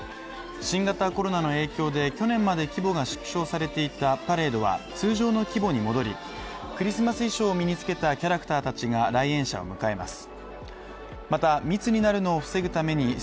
新型コロナの影響で去年まで規模が縮小されていたパレードは通常の規模に戻り、クリスマス衣装をつけたキャラクターたちが来園者を迎えます。